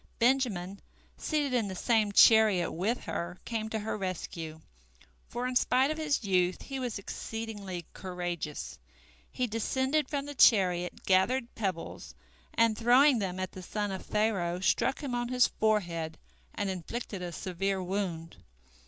Benjamin, seated in the same chariot with her, came to her rescue, for in spite of his youth he was exceedingly courageous. He descended from the chariot, gathered pebbles, and, throwing them at the son of Pharaoh, struck him on his forehead and inflicted a severe wound.